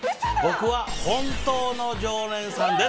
僕は本当の常連さんです。